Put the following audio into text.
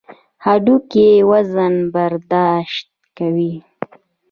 هډوکي وزن برداشت کوي.